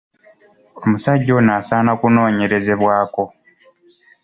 Omusajja ono asaana kunoonyerezebwako.